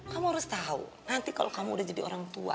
kamu harus tahu nanti kalau kamu udah jadi orang tua